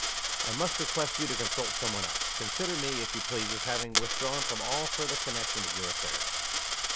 "I must request you to consult some one else. Consider me, if you please, as having withdrawn from all further connection with your affairs."